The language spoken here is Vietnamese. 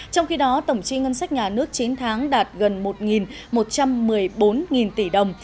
trong khi đó tổng chi ngân sách nhà nước chín tháng đạt gần một một trăm một mươi bốn tỷ đồng